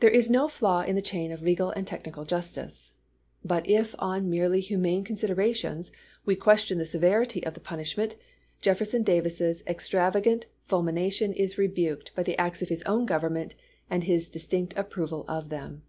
There is no flaw in the chain of legal and technical justice. But if on merely humane considerations we question the severity of the pun ishment, Jefferson Davis's extravagant f ulmination is rebuked by the acts of his own Government and „.. his distinct approval of them.